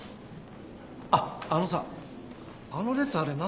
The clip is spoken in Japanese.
あっあのさあの列あれなんなの？